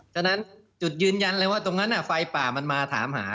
ฉะนั้นจุดยืนยันเลยว่าตรงนั้นไฟป่ามันมาถามหา